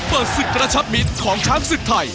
เปิดศึกกระชับมิ้นของช้างศึกไทย